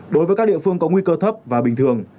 đối với các địa phương có nguy cơ thấp và bình thường